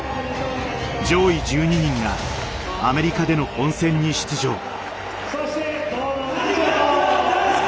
上位１２人がアメリカでの本戦に出場。